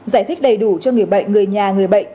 giải thích đầy đủ cho người bệnh người nhà người bệnh